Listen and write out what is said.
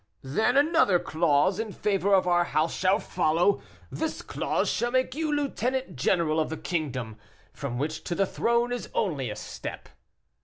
"Then another clause in favor of our house shall follow; this clause shall make you lieutenant general of the kingdom, from which to the throne is only a step."